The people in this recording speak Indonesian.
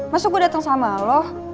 masuk gue dateng sama lo